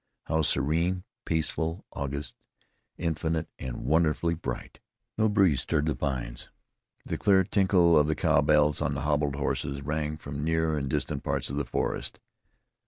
How serene, peaceful, august, infinite and wonderfully bright! No breeze stirred the pines. The clear tinkle of the cowbells on the hobbled horses rang from near and distant parts of the forest.